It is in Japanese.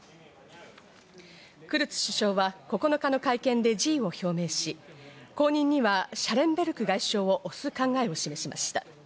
クルツ首相は９日の会見で辞意を表明し、後任にはシャレンベルク外相を推す考えを示しました。